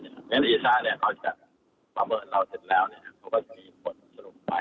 เวลาว่าเบียดท่าเนี้ยเขาจะประเมินเราเสร็จแล้วเขาก็จะมีผลสะดวกไป